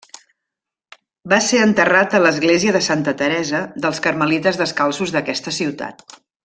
Va ser enterrat a l'església de Santa Teresa dels carmelites descalços d'aquesta ciutat.